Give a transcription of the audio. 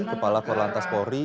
kepala korlantas polri